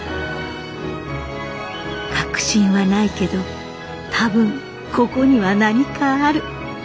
確信はないけど多分ここには何かある。